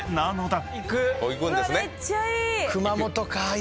めっちゃいい！